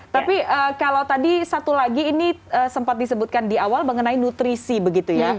tapi kalau tadi satu lagi ini sempat disebutkan di awal mengenai nutrisi begitu ya